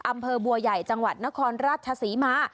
อำเภอบัวใหญ่จังหวัดนครราชศรีมา